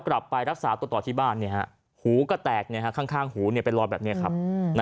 กลับไปรักษาตัวต่อที่บ้านหูก็แตกข้างหูเป็นรอยแบบนี้ครับ